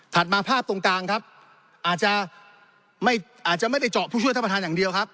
มาภาพตรงกลางครับอาจจะไม่อาจจะไม่ได้เจาะผู้ช่วยท่านประธานอย่างเดียวครับ